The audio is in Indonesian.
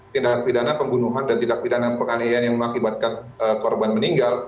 tindakan pidana pembunuhan dan tindak pidana penganiayaan yang mengakibatkan korban meninggal